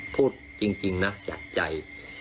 พูดจริงนะจากใจ